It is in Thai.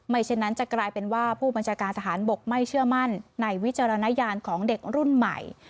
เช่นนั้นจะกลายเป็นว่าผู้บัญชาการทหารบกไม่เชื่อมั่นในวิจารณญาณของเด็กรุ่นใหม่